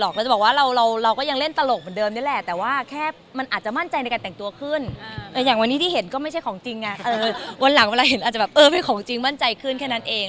ก็ก็คือวันหลังเวลาเห็นอาจจะแบบเป็นของจริงมั่นใจขึ้นแค่นั้นเอง